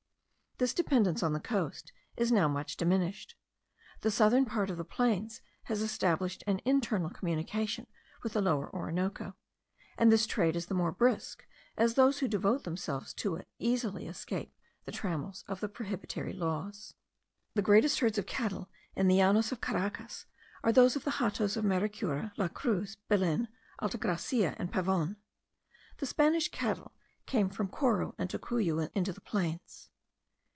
This dependence on the coast is now much diminished. The southern part of the plains has established an internal communication with the Lower Orinoco; and this trade is the more brisk, as those who devote themselves to it easily escape the trammels of the prohibitory laws. The greatest herds of cattle in the Llanos of Caracas are those of the hatos of Merecure, La Cruz, Belen, Alta Gracia, and Pavon. The Spanish cattle came from Coro and Tocuyo into the plains.